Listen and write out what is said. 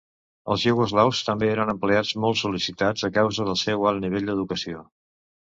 Els iugoslaus també eren empleats molt sol·licitats, a causa del seu alt nivell d'educació.